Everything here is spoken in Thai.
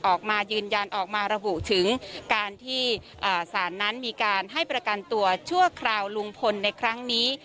ออกมายืนยันออกมาระบุถึงการที่สารนั้นมีการให้ประกันตัวชั่วคราวลุงพลในครั้งนี้